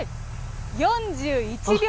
４１秒。